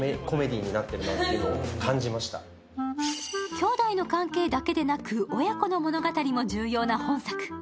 兄弟の関係だけでなく、親子の物語も重要な本作。